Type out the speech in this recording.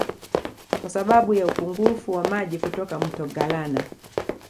Kwa sababu ya upungufu wa maji kutoka Mto Galana